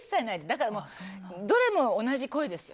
だから、どれも同じ声です。